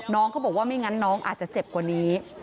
น้องเขาบอกว่าไม่งั้นน้องอาจจะเจ็บกว่านี้